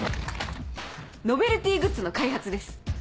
ノベルティグッズの開発です。